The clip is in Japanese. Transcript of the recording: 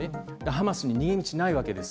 ハマスには逃げ道がないわけです。